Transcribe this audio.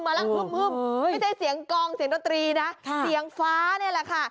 ฮึ่มไม่ใช่เสียงกองเสียงดนตรีนะเสียงฟ้านี่แหละค่ะ